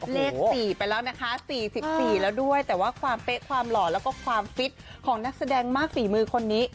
เลข๔ไปแล้วนะคะ๔๔แล้วด้วยแต่ว่าความเป๊ะความหล่อแล้วก็ความฟิตของนักแสดงมากฝีมือคนนี้